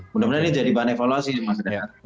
mudah mudahan ini jadi bahan evaluasi mas